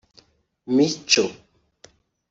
Mico